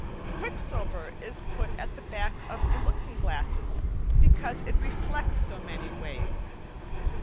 Quicksilver is put at the back of looking glasses because it reflects so many waves.